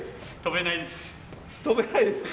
跳べないですか？